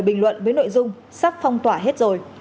bài đăng trả lời bình luận với nội dung sắp phong tỏa hết rồi